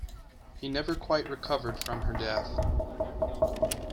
He never quite recovered from her death.